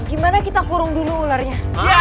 gimana kita kurung dulu ularnya